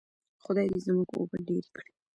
خدای دې زموږ اوبه ډیرې کړي.